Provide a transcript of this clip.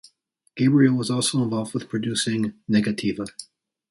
Gabriel was also involved with producing "Negativa".